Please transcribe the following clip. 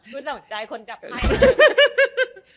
กูสนใจคนกับใบ